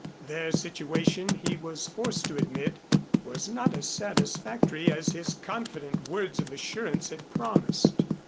Their situation he was forced to admit was not as satisfactory as his confident words of assurance had promised.